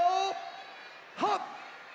はっ！